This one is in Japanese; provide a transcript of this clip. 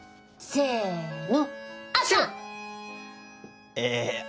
せの！